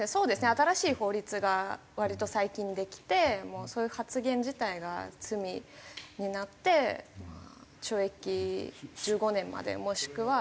新しい法律が割と最近できてそういう発言自体が罪になって懲役１５年までもしくは。